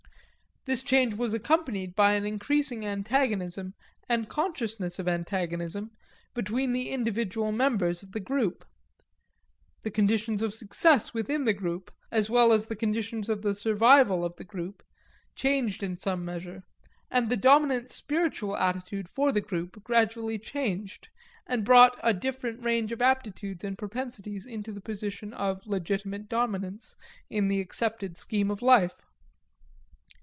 This change was accompanied by an increasing antagonism and consciousness of antagonism between the individual members of the group. The conditions of success within the group, as well as the conditions of the survival of the group, changed in some measure; and the dominant spiritual attitude for the group gradually changed, and brought a different range of aptitudes and propensities into the position of legitimate dominance in the accepted scheme of life.